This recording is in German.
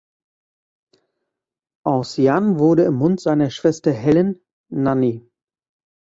Aus Jan wurde im Mund seiner Schwester Helen "Nani".